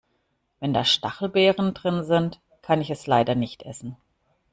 Wenn da Stachelbeeren drin sind, kann ich es leider nicht essen.